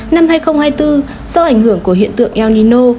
năm hai nghìn hai mươi bốn do ảnh hưởng của hiện tượng el nino